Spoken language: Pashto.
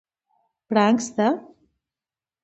پړانګ سته؟